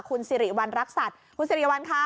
คุณสิริวัณรักษัตริย์คุณสิริวัลค่ะ